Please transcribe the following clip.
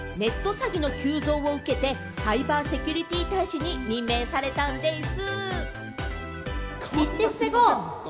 詐欺の急増を受けて、サイバーセキュリティ大使に任命されたんでぃす。